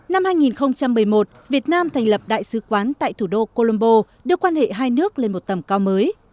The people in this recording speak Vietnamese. năm hai nghìn một mươi một việt nam thành lập đại sứ quán tại thủ đô colombo đưa quan hệ hai nước lên một tầm cao mới